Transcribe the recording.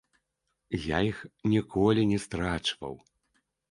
Я іх ніколі не страчваў.